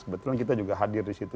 kebetulan kita juga hadir disitu